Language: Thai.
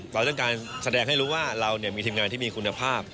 เราต้องการแสดงให้รู้ว่าเรามีทีมงานที่มีคุณภาพ